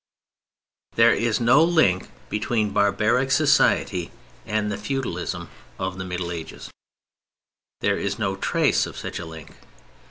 There is no link between barbaric society and the feudalism of the Middle Ages; there is no trace of such a link.